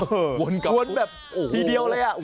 อ้อออโหค่นแบบพี่เดียวเลยอะ